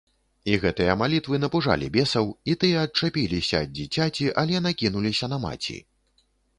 І гэтыя малітвы напужалі бесаў, і тыя адчапіліся ад дзіцяці, але накінуліся на маці.